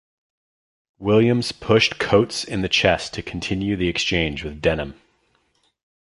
Williams pushed Coates in the chest to continue the exchange with Denham.